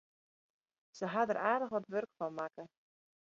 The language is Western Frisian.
Se hawwe der aardich wat wurk fan makke.